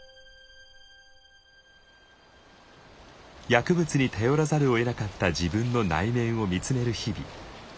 薬物に頼らざるをえなかった自分の内面を見つめる日々。